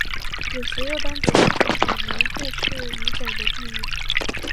有时又单指冲绳岛名护市以北的地域。